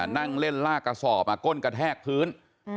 นั่งเล่นลากกระสอบมาก้นกระแทกพื้น